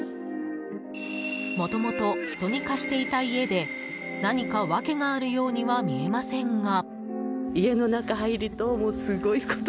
もともと、人に貸していた家で何かワケがあるようには見えませんが。